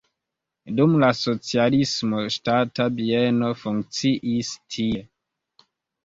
Dum la socialismo ŝtata bieno funkciis tie.